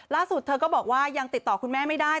เธอก็บอกว่ายังติดต่อคุณแม่ไม่ได้